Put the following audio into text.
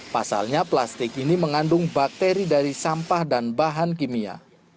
pasalnya plastik ini mengandung bakteri dari sampah dan bahan kimia